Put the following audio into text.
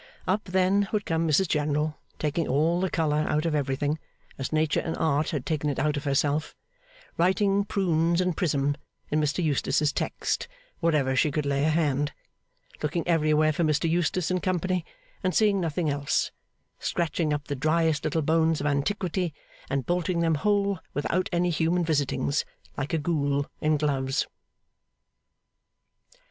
Up, then, would come Mrs General; taking all the colour out of everything, as Nature and Art had taken it out of herself; writing Prunes and Prism, in Mr Eustace's text, wherever she could lay a hand; looking everywhere for Mr Eustace and company, and seeing nothing else; scratching up the driest little bones of antiquity, and bolting them whole without any human visitings like a Ghoule in gloves.